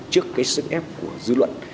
trước cái sức ép của dư luận